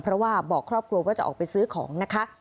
เพราะว่าบอกครอบครัวว่าจะออกไปซื้อของนะคะ